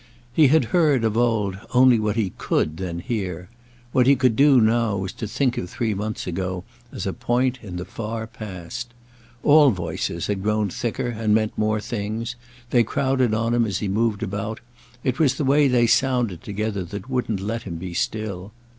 He had heard, of old, only what he could then hear; what he could do now was to think of three months ago as a point in the far past. All voices had grown thicker and meant more things; they crowded on him as he moved about—it was the way they sounded together that wouldn't let him be still.